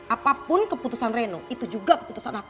apapun keputusan reno itu juga keputusan aku